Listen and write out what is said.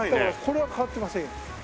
これは変わってませんよ。